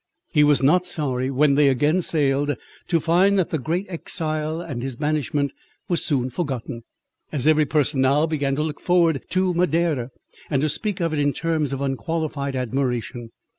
He was not sorry, when they again sailed, to find that the great exile and his banishment were soon forgotten, as every person now began to look forward to Madeira, and speak of it in terms of unqualified admiration.